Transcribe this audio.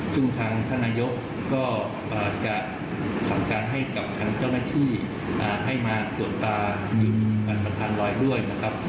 ซึ่งทางท่านนายกก็อาจจะสั่งการให้กับทางเจ้าหน้าที่ให้มาตรวจตาดึงกันสะพานลอยด้วยนะครับ